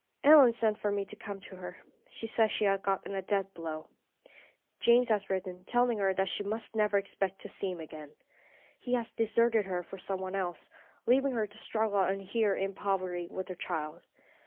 "Ellen sent for me to come to her. She says she has got a death blow. James has written, telling her that she must never expect to see him again. He has deserted her for some one else, leaving her to struggle on here in poverty with her child.